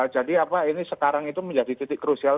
jadi apa ini sekarang itu menjadi titik krusial